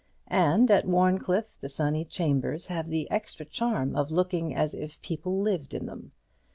And at Warncliffe the sunny chambers have the extra charm of looking as if people lived in them.